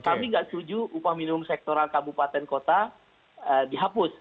kami tidak setuju upah minimum sektoral kabupaten kota dihapus